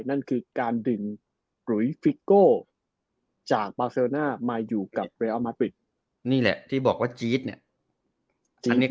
นั่นคือการดึงหลุยจากมาอยู่กับนี่แหละที่บอกว่าเนี่ย